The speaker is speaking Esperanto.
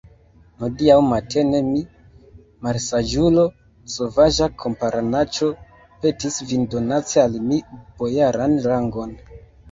Hodiaŭ matene mi, malsaĝulo, sovaĝa kamparanaĉo, petis vin donaci al mi bojaran rangon.